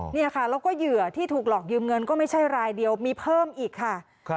เนี่ยค่ะแล้วก็เหยื่อที่ถูกหลอกยืมเงินก็ไม่ใช่รายเดียวมีเพิ่มอีกค่ะ